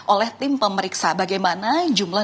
oleh tim pemeriksa bagaimana jumlah